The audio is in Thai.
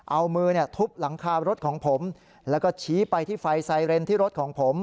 เอามือทุบหลังคารถของผมแล้วก็ชี้ไปที่ไฟไซเรนที่รถของผม